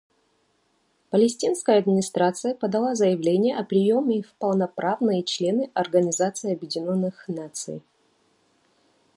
Палестинская администрация подала заявление о приеме в полноправные члены Организации Объединенных Наций.